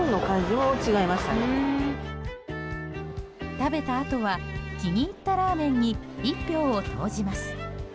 食べたあとは気に入ったラーメンに１票を投じます。